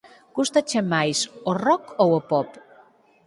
Gústache máis o rock ou o pop?